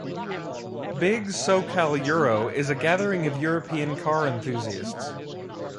Big SoCal Euro is a gathering of European car enthusiasts.